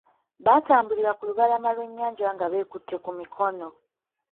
Baatambulira ku lubalama lw'ennyanja nga beekute ku mikono.